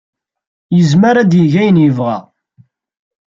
Yezmer ad yeg ayen yebɣa.